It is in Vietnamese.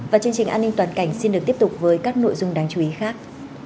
và chương trình an ninh toàn cảnh xin được tiếp tục với các nội dung đáng chú ý khác